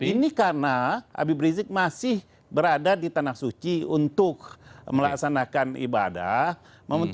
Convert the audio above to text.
ini karena habib rizik masih berada di tanah suci untuk melaksanakan ibadah